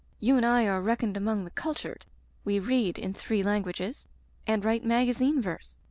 You and I are reckoned among the cultured. We read — ^in three languages — and write maga zine verse.